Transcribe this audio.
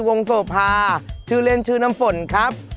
โสภาชื่อเล่นชื่อน้ำฝนครับ